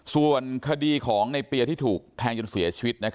ส่วนคดีของในเปียที่ถูกแทงจนเสียชีวิต